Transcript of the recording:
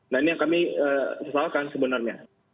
nah ini yang kami sesal kan sebenarnya